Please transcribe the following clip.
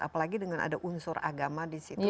apalagi dengan ada unsur agama di situ